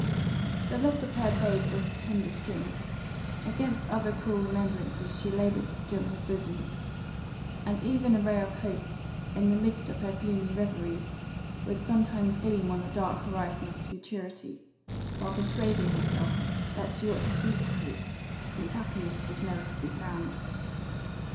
The loss of her babe was the tender string; against other cruel remembrances she laboured to steel her bosom; and even a ray of hope, in the midst of her gloomy reveries, would sometimes gleam on the dark horizon of futurity, while persuading herself that she ought to cease to hope, since happiness was no where to be found.